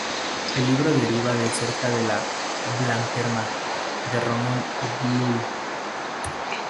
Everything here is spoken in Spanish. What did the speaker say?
El libro deriva de cerca de la "Blanquerna" de Ramon Llull.